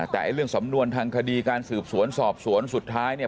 แต่เรื่องสำนวนทางคดีการสืบสวนสอบสวนสุดท้ายเนี่ย